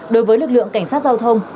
đối với lực lượng cảnh sát giao thông